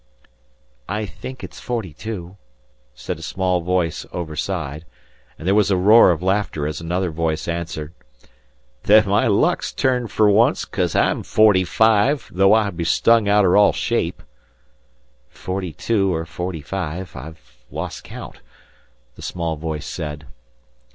"I think it's forty two," said a small voice overside, and there was a roar of laughter as another voice answered, "Then my luck's turned fer onct, 'caze I'm forty five, though I be stung outer all shape." "Forty two or forty five. I've lost count," the small voice said.